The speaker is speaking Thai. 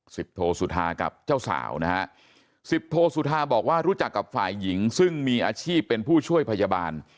โทสุธากับเจ้าสาวนะฮะสิบโทสุธาบอกว่ารู้จักกับฝ่ายหญิงซึ่งมีอาชีพเป็นผู้ช่วยพยาบาล